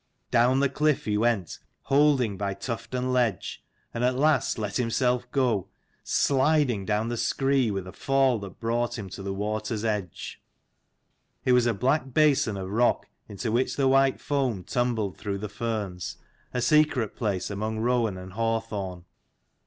Down the cliff he went, 126 holding by tuft and ledge, and at last let himself go, sliding down the scree with a fall that brought him to the water's edge. It was a black basin of rock into which the white foam tumbled through the ferns, a secret place among rowan and hawthorn.